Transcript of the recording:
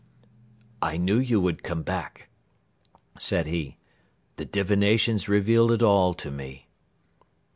"I knew you would come back," said he. "The divinations revealed it all to me."